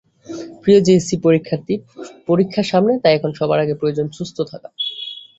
প্রিয় জেএসসি পরীক্ষার্থী, পরীক্ষা সামনে, তাই এখন সবার আগে প্রয়োজন সুস্থ থাকা।